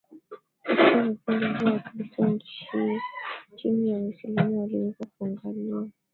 Katika vipindi hivyo Wakristo chini ya Waislamu waliweza kuangaliwa